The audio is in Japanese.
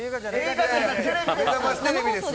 めざましテレビです。